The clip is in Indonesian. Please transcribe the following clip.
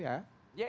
yang punya teori